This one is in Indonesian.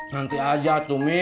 nanti aja tuh mi